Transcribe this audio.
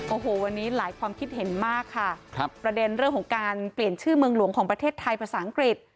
โอ้โหวันนี้หลายความคิดเห็นมากค่ะครับประเด็นเรื่องของการเปลี่ยนชื่อเมืองหลวงของประเทศไทยภาษาอังกฤษ